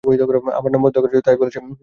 আমার নম্বর দরকার ছিল, তাই বলেছে।